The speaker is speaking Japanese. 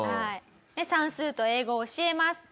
で算数と英語を教えます。